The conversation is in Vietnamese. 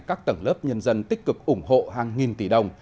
các tầng lớp nhân dân tích cực ủng hộ hàng nghìn tỷ đồng